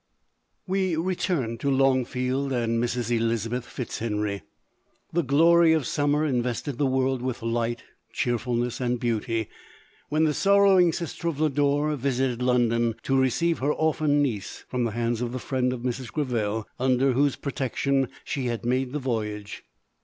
We return to Longfield and to Mrs. Elizabeth Fitzhenry. The glory of summer invested the world with light, cheerfulness, and beauty, when the sorrowing sister of Lodore visited London, to receive her orphan niece from the hands of the friend of Mrs. Greville, under whose protection she had made the voyage.